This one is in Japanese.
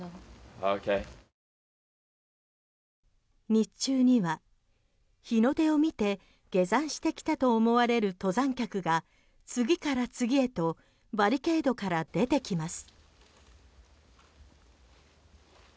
日中には日の出を見て下山してきたと思われる登山客が次から次へとバリケードから出てきます。